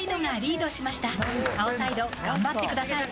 頑張ってください。